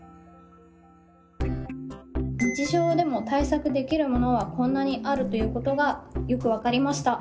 日常でも対策できるものはこんなにあるということがよく分かりました。